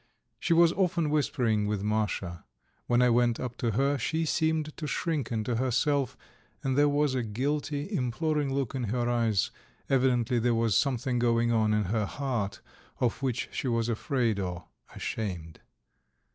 She was often whispering with Masha. When I went up to her she seemed to shrink into herself, and there was a guilty, imploring look in her eyes; evidently there was something going on in her heart of which she was afraid or ashamed.